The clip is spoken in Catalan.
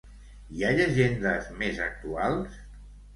Hi ha llegendes més actuals?